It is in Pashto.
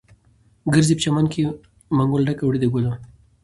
ګرځې په چمن کې، منګول ډکه وړې د ګلو